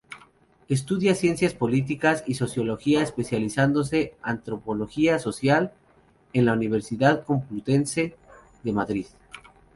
Estudió ciencias políticas y sociología, especializándose Antropología Social en la Universidad Complutense de Madrid.